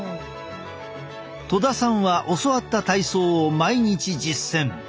戸田さんは教わった体操を毎日実践。